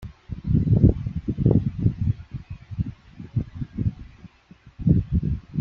Ttmahaleɣ tanezzayt.